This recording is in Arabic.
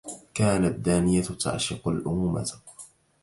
كانت دانية تعشق الأمومة.